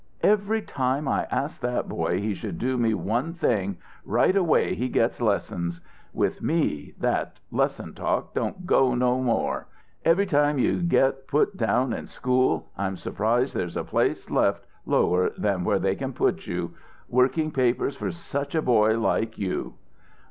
"Every time I ask that boy he should do me one thing, right away he gets lessons! With me, that lessons talk don't go no more. Every time you get put down in school, I'm surprised there's a place left lower where they can put you. Working papers for such a boy like you!"